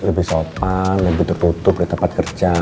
lebih sopan lebih tertutup di tempat kerja